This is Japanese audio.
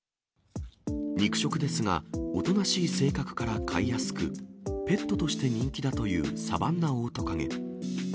肉食ですが、おとなしい性格から飼いやすく、ペットとして人気だというサバンナオオトカゲ。